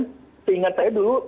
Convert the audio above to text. seingat saya dulu